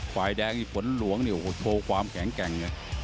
ฝ่ายแดงฝนหลวงโชว์ความแข็ง